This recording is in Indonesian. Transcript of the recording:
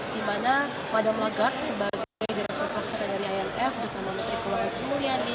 dimana madam lagarde sebagai direktur farser dari imf bersama menteri keluarga semuriani